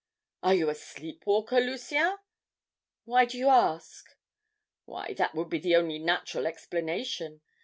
"'Are you a sleep walker, Lucien?' "'Why do you ask?' "'Why, that would be the only natural explanation.